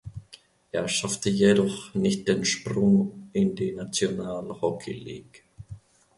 Er schaffte jedoch nicht den Sprung in die National Hockey League.